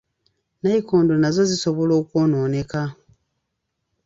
Nayikondo nazo zisobola okwonooneka.